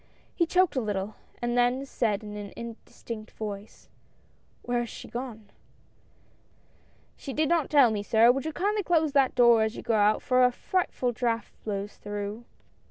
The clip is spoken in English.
He choked a little, and then said in an indistinct voice :" Where has she gone ?" "She did not tell me, sir. Would you kindly close that door as you go out, for a frightful draught blows through."